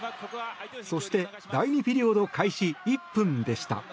そして第２ピリオド開始１分でした。